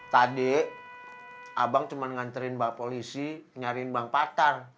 tadi abang cuma nganterin mbak polisi nyariin bang patar